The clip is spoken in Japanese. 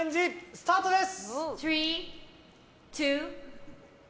スタートです！